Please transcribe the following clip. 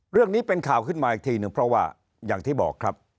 เรื่องนี้เป็นข่าวขึ้นมาอีกทีหนึ่งเพราะว่าอย่างที่บอกครับ